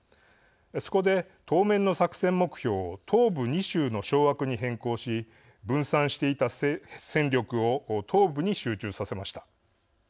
そこで、当面の作戦目標を東部２州の掌握に変更し分散していた戦力を東部に集中させました。